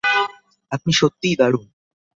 আপনি সত্যিই দারুণ।